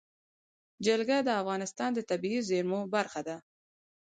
جلګه د افغانستان د طبیعي زیرمو برخه ده.